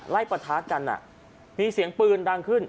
ไล่ประทะกันอ่ะมีเสียงปืนดังขึ้น